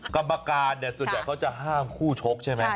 กรรมการเนี่ยส่วนใหญ่เขาจะห้ามคู่ชกใช่ไหม